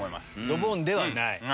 ドボンではない。